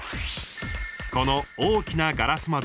この大きなガラス窓は。